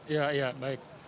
ya ya baik